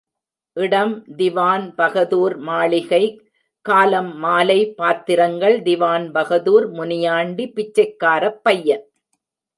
இடம் திவான்பகதூர் மாளிகை காலம் மாலை பாத்திரங்கள் திவான்பகதூர், முனியாண்டி, பிச்சைக்காரப் பையன்.